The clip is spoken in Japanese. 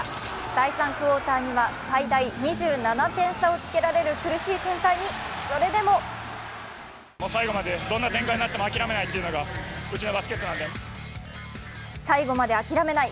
第３クオーターには最大２７点差をつけられる苦しい展開に、それでも最後まであきらめない。